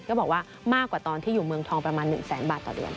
ก็บอกว่ามากกว่าตอนที่อยู่เมืองทองประมาณ๑แสนบาทต่อเดือน